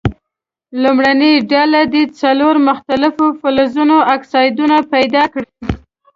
لومړۍ ډله دې څلور مختلفو فلزونو اکسایدونه پیداکړي.